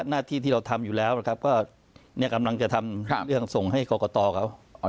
หน้าที่ที่เราทำอยู่แล้วนะครับก็เนี่ยกำลังจะทำเรื่องส่งให้กรกตเขา